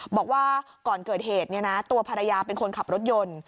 บอกว่าก่อนเกิดเหตุตัวภรรยาเป็นคนขับรถยนต์